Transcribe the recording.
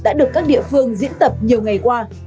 đã được các địa phương diễn tập nhiều ngày qua